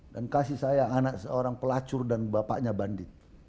dan kasih saya anak seorang pelacur dan bapaknya bandit